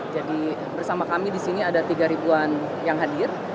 jadi bersama kami disini ada tiga ribuan yang hadir